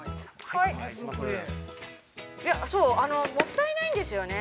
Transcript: ◆もったいないんですよね。